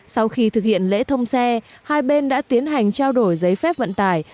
sau khi thực hiện lễ thông xe hai bên đã tiến hành trao đổi giấy phép vận tải